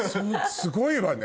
すごいわね。